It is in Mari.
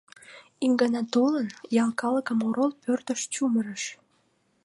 Ик гана толын, ял калыкым орол пӧртыш чумырыш.